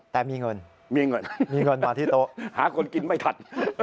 แต่มีเงินมีเงินหาคนกินไม่ทัน